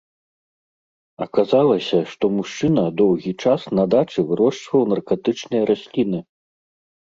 Аказалася, што мужчына доўгі час на дачы вырошчваў наркатычныя расліны.